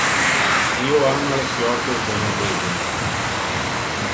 Io ama le fiordes de Norvegia.